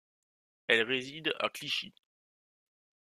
Elle réside à Clichy.